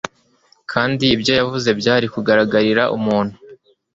kandi ibyo yavuze byari kugaragarira umuntu